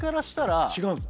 違うの？